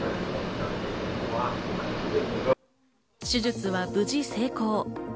手術は無事成功。